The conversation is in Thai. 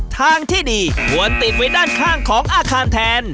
ทางที่ดีควรติดไว้ด้านข้างของอาคารแทน